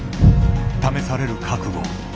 試される覚悟。